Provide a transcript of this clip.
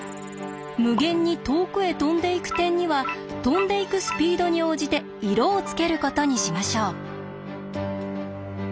無限に遠くへ飛んでいく点には飛んでいくスピードに応じて色をつけることにしましょう。